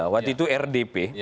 waktu itu rdp